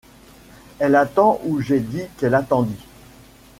Elle attend où j’ai dit qu’elle attendît?